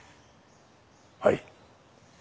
はい。